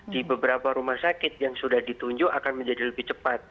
di beberapa rumah sakit yang sudah ditunjuk akan menjadi lebih cepat